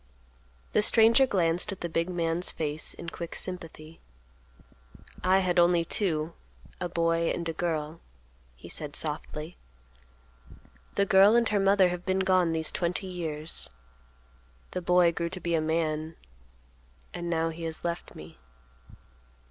The stranger glanced at the big man's face in quick sympathy. "I had only two; a boy and a girl," he said softly. "The girl and her mother have been gone these twenty years. The boy grew to be a man, and now he has left me."